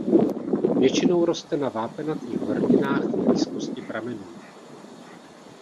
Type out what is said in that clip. Většinou roste na vápenatých horninách v blízkosti pramenů.